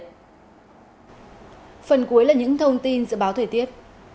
phần cuối là những thông tin dự báo thời tiết